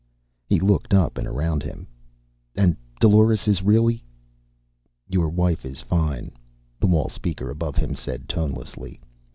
He looked up and around him. "And Dolores is really " "Your wife is fine," the wall speaker above him said tonelessly.